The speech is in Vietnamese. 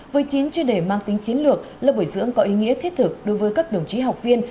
với chín chuyên đề mang tính chiến lược lớp bồi dưỡng có ý nghĩa thiết thực đối với các đồng chí học viên